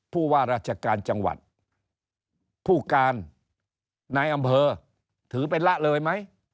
ผู้ว่าราชการจังหวัดผู้การนายอำเภอถือเป็นละเลยไหม